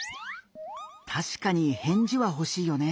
たしかに返事はほしいよね。